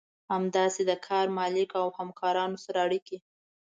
همداسې د کار مالک او همکارانو سره اړيکې.